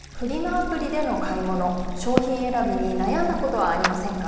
アプリでの買い物、商品選びに悩んだことはありませんか。